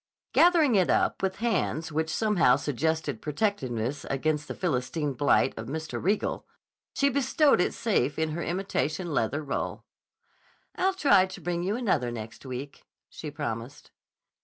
Gathering it up with hands which somehow suggested protectiveness against the Philistine blight of Mr. Riegel, she bestowed it safe in her imitation leather roll. "I'll try to bring you another next week," she promised.